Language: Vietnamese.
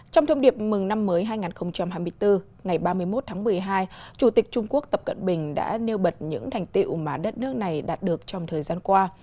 trong thông điệp mừng năm mới hai nghìn hai mươi bốn ngày ba mươi một tháng một mươi hai chủ tịch trung quốc tập cận bình đã nêu bật những thành tiệu mà đất nước này đạt được trong thời gian qua